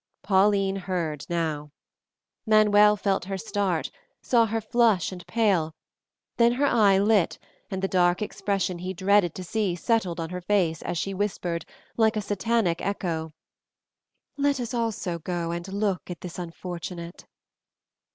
Pauline heard now. Manuel felt her start, saw her flush and pale, then her eye lit, and the dark expression he dreaded to see settled on her face as she whispered, like a satanic echo, "Let us also go and look at this unfortunate."